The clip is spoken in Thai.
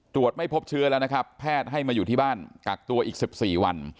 ไม่พบเชื้อแล้วนะครับแพทย์ให้มาอยู่ที่บ้านกักตัวอีก๑๔วัน